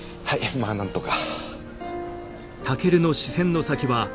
まあなんとか。